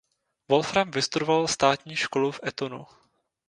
Wolfram vystudoval státní školu v Etonu.